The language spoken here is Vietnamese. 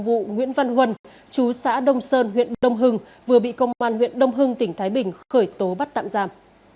vụ nguyễn văn huân chú xã đông sơn huyện đông hưng vừa bị công an huyện đông hưng tỉnh thái bình khởi tố bắt tạm giam